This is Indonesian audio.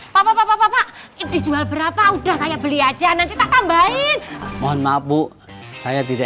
papa papa papa ini jual berapa udah saya beli aja nanti tambahin mohon maaf bu saya tidak